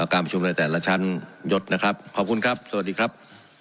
การประชุมในแต่ละชั้นยดนะครับขอบคุณครับสวัสดีครับ